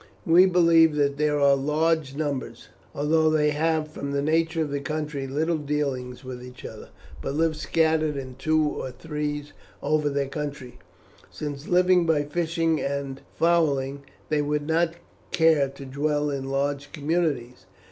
We believe that there are large numbers, although they have, from the nature of the country, little dealings with each other; but live scattered in twos and threes over their country, since, living by fishing and fowling, they would not care to dwell in large communities.